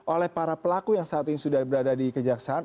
oleh para pelaku yang saat ini sudah berada di kejaksaan